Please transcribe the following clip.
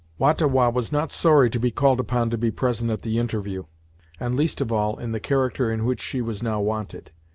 Wah ta Wah was not sorry to be called upon to be present at the interview, and least of all in the character in which she was now wanted.